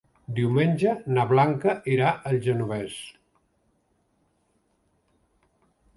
Diumenge na Blanca irà al Genovés.